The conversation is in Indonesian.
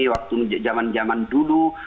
waktu jaman jaman dulu